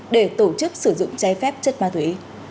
để tổ chức sử dụng trái phép chất ma túy